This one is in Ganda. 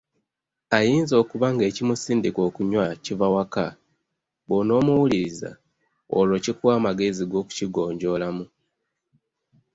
Ayinza okuba ng’ekimusindika okunywa kiva waka, bw’onoomuwuliriza olwo kikuwa amagezi g’okukigonjoolamu.